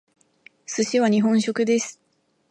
寿司は日本食です。